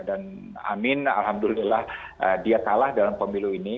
dan amin alhamdulillah dia kalah dalam pemilu ini